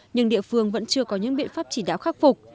nhưng địa phương vẫn chưa có những biện pháp chỉ đạo khắc phục